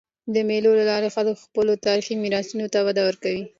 د مېلو له لاري خلک خپلو تاریخي میراثونو ته وده ورکوي.